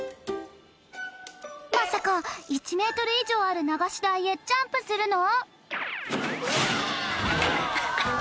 まさか１ｍ以上ある流し台へジャンプするの？